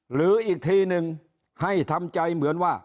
หรืออีกทีหนึ่งให้ทำใจเหมือนว่า